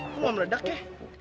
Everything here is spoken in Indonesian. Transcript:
kok nggak meredak ya